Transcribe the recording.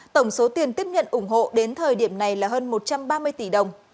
tổng số tiền tiếp nhận ủng hộ đến thời điểm này là hơn một trăm ba mươi tỷ đồng